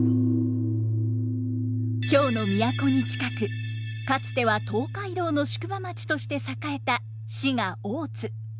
京の都に近くかつては東海道の宿場町として栄えた滋賀・大津。